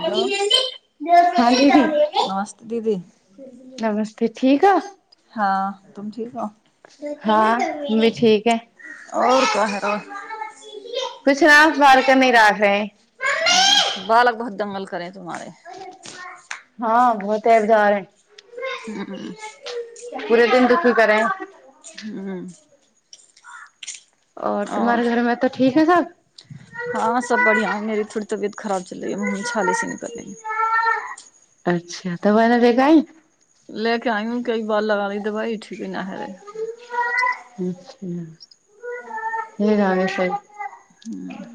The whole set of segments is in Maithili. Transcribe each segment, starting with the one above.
हाँ हेलो दीदी नमस्ते दीदी नमस्ते ठीक हो हँ तुम ठीक हो हाँ हम भी ठीक है आओर को है कुछ ना बाहर का नहीं राख रहे हैं मम्मी बालक बहुत दंगल करेै मारे तब जारै ह्म पूरे दिन दुखी करे हैं ह्म और तुम्हारे आओर घर में तो ठीक है सब हँ सब बढ़ियां है मेरी थोड़ी तबियत खराब चल रही है मुँह में थोरे छाले से निकल रही है अच्छा तऽ ओह ने भेगइ [unintelligible] ले के आइं हूँ कई बार लगा ली दवाई ठीक ही ना है रही हूह [inaudible] ले जा रहे सब [unintelligible] हूँ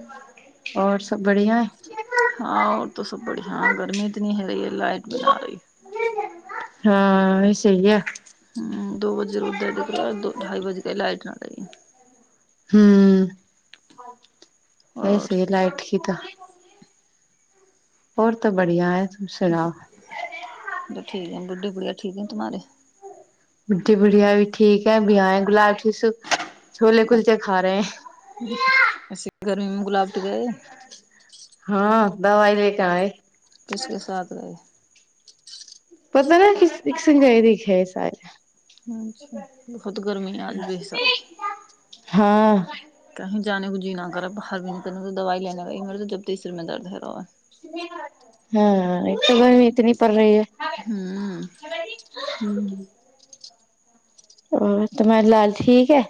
और सब बढियां हँ आओर तो सब बढ़िआ गर्मी इतनी हलैजे लाइट बना रही हँ इसलिए ह दो बजे रोद कर ढाई बजे क लाइट नहि दैये [unintelligible] हूँ और वैसे लाइट की तऽ ओर तऽ बढ़ियां हेत ठीक ह बुढ़ी गुड़िया ठीक हैं तुम्हारे बूढ़े बुढ़ियारी ठीक है आएगी लाइट [unintelligible] छोले का कुलचे खा रहे है ऐसे गर्मी में गुलाबट गए हँ दबाइ देके आएं किसके साथ रहै पता नहि किस दिसगइंक हय शायद अच्छा बहुत गर्मी है आज [unintelligible] हँ कही जाने को जी नहि कर भर दिन तनो तऽ दवा लेने तते सिरमे दर्द [unintelligible] हँ एक त गर्मी इतनी पड़ रही है ह [unintelligible] ओ त मेरे लाल ठीक हैं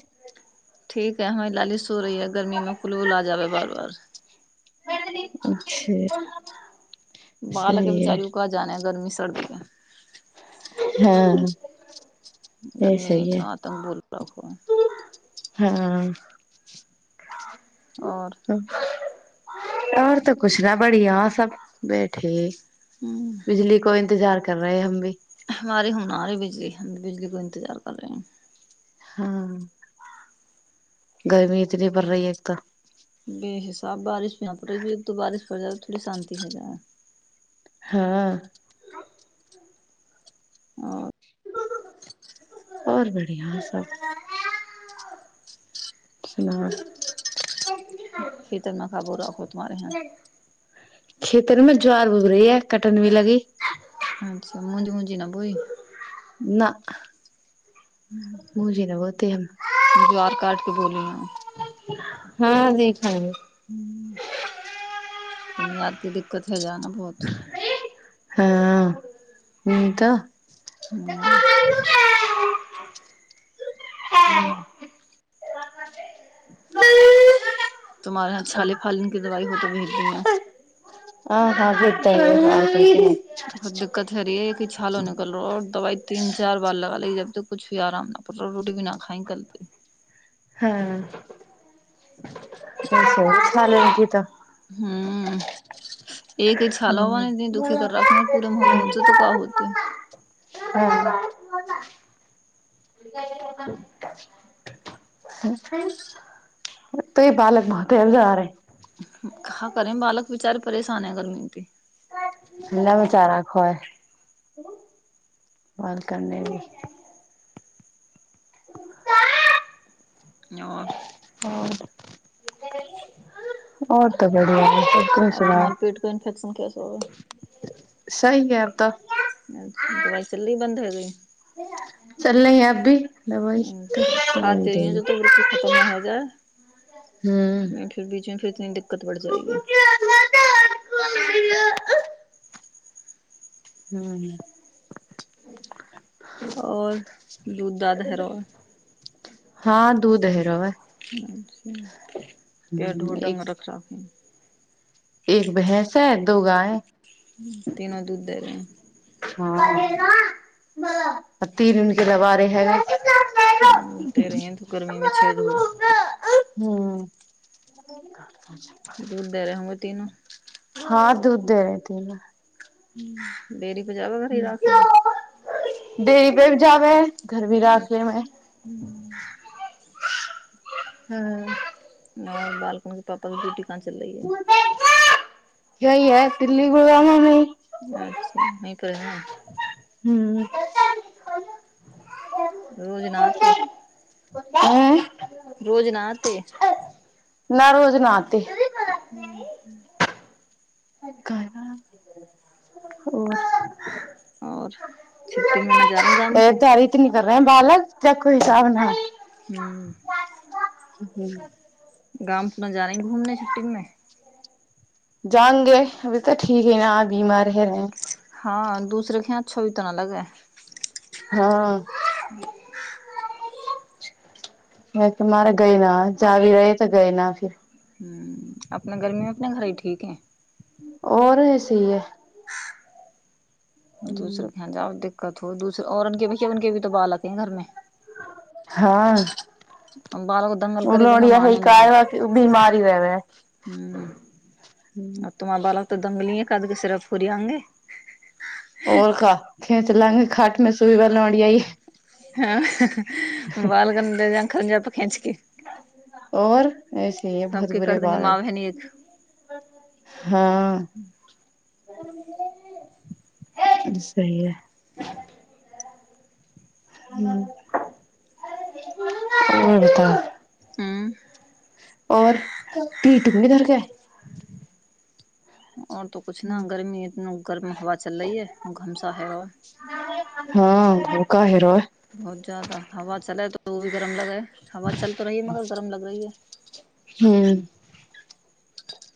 ठीक है लाली सो सो रही है गर्मी मे कुलबला जाबे बार बार अच्छा बालक सही है बेचारो उह का जाने ह गर्मी सरद हाँ [unintelligible] गरमी न इतना आतंक भोल रखहो हँ है और आओर तऽ कुछ न बढ़िया सब बैठे ह बिजली को इन्तजार कर रहे हम भी हमारे हुना आरे भी हम भी बिजली को इन्तजार कर रहे है हँ गर्मी इतनी पड़ रही एक तऽ साफ बारिश भी पड़ बारिश पड़ जाय थोड़ी शान्ति हो जाय हँ आ और बड़ियासब [unintelligible] खेतर मे ज्वार उब रही है कटन भी लगी अच्छा मुजं मुंजी नहि बोई न मुझे न बोते हम ज्वार काट के बोली हूँ हँ देखा क दिक्कत की जाना बहुत हँ न तऽ हूँ है [inaudible] तुम्हारे यहाँ छाले फालने दवाई हो तऽ भेज दीय [unintelligible] आ ह जेतत बहुत दिक्कत ह रहै य किछ हालो निकल रहोर दवाईत तीन चार बार लगा ली जब तक कुछ भी आराम न पो रोडि भीना [unintelligible] [inaudible] हँ च ले की तऽ [unintelligible] हुँ एक छालबा हम्म, ने दनी दुखी कर राखने पूरे मुँह में होईछि तऽ का होतय [inaudible] त ई बालक बतेज जारहे [unintelligible] काह करे बालक बिचारे परेशान है गर्मी से ना बेचारा खुआई बालकने भी [unintelligible] और [inaudible] हा [inaudible] ओर तऽ बढ़ियां [unintelligible] आ तुमर पेट के इन्फेेक्शन कैसो हे सही में ऐब तऽ [inaudible] चलले है अब भी दवाई दवाई खाते ही देगी ज तो बकु खतम न हो हूं जाए फिर बीचमे फेर इतनी दिक्कत बढ़ जाएगी हूँ ओर दूध दाधहरो हाँ दूध हैरौ है एक [unintelligible] एक भैंस है दो गाय है तीनो दूध दै रहै हे [unintelligible] तेरे हीयें तऽ गर्मी में छेद [unintelligible] हूँ दूध दे रहे होंगे [inaudible] तीनों हाँ दूध दे रहे तीनो बेरी ज [unintelligible] हे घर भी राख लेबै है हाँ ओर बालकन के पापा भी डियूटी [unintelligible] कहीं है अच्छा [unintelligible] हूँ रोज नाते ऐ नहाते न रोज नाते हुं हुं [inaudible] आओर छुट्टीमे न जा रही गाम को धरित न कर रहे बालक च को हिसाब न हुँ हू गाम पूना जाने घूमने छूटिमे जंगे अभी तऽ ठीक ही न बीमार ह रहे [unintelligible] हुँ - गए न अपना गर्मी मे अपने घर ही ठीक है आओर ह सी य दोसरोकके जाउ देख कथो दूसर औरे भैय उके भीो बालके है घरमे हँ बालक दंगल ओ करे लोग बिना यही माने न ह कहबा बीमारी रहबे है आ तुमार बालक तऽ दंगलए कदके सिरफ फूरीियांगे और का खैच लागि खाट ह बालग खल जाप खेचके और ऐसे ही है बहुत सबके बुरे कर देेंगे माँ बालक बहहिनी एक सहीए ह तऽ हूं और भीटुमकेधरके आओर तो कछु ने गर्मी गर्म हवा चल रही है घमसा है काहे रहो बहुत ज्यादा हवा चलै त ओ भी गरम लगै ह हवा चलतो रहीै मगर गरम लग रही है। हू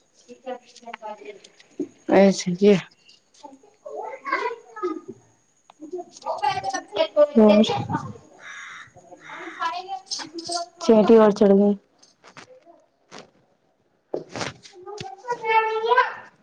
अ स चेट ब चढ़ ग [unintelligible]